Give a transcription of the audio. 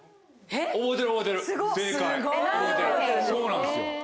そうなんですよ。